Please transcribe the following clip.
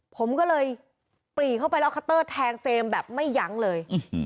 ผมก็เลยปรีเข้าไปแล้วคัตเตอร์แทงเซมแบบไม่ยั้งเลย